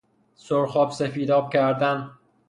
سرخاب سفیداب کردن